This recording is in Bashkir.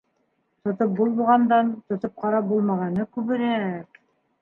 Тотоп булғандан тотоп ҡарап булмағаны күберәк...